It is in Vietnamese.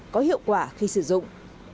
có hiệu quả khi sử dụng